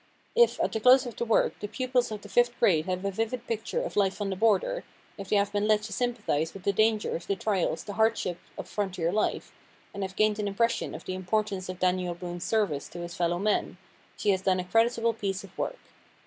If, at the close of the work, the pupils of the fifth grade have a vivid picture of life on the border, if they have been led to sympathize with the dangers, the trials, the hardships of frontier life, and have gained an impression of the importance of Daniel Boone's service to his fellow men, she has done a creditable piece of work.